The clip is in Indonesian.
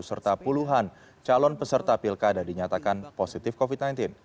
serta puluhan calon peserta pilkada dinyatakan positif covid sembilan belas